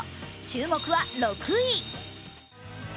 注目は、６位。